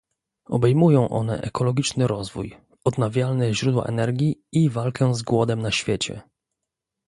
Obejmują one ekologiczny rozwój, odnawialne źródła energii i walkę z głodem na świecie